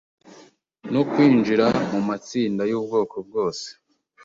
no kwinjira mu matsinda y'ubwoko bwose